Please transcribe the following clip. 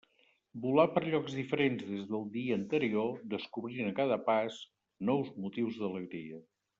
Volà per llocs diferents dels del dia anterior, descobrint, a cada pas, nous motius d'alegria.